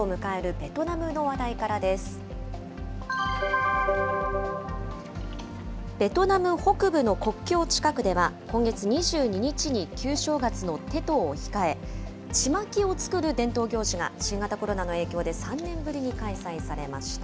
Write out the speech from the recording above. ベトナム北部の国境近くでは、今月２２日に旧正月のテトを控え、ちまきを作る伝統行事が、新型コロナの影響で３年ぶりに開催されました。